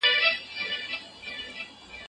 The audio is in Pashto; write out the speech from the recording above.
تعلیمي نصاب باید عصري ټیکنالوژي ولري.